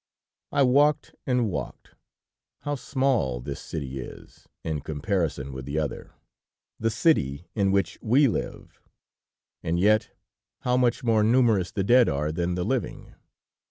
I walked and walked. How small this city is, in comparison with the other, the city in which we live: And yet, how much more numerous the dead are than the living.